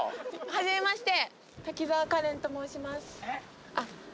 はじめまして。